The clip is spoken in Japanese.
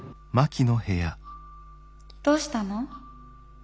どうしたの？